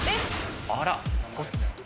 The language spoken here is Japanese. あら。